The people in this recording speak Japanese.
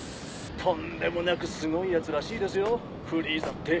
とんでもなくすごいやつらしいですよフリーザって。